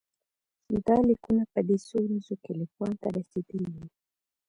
دا لیکونه په دې څو ورځو کې لیکوال ته رسېدلي وو.